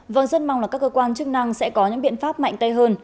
vâng rất mong là các cơ quan chức năng sẽ có những biện pháp mạnh tay hơn